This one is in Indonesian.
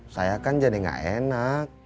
saya kan jadi gak enak